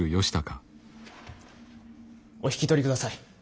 お引き取りください。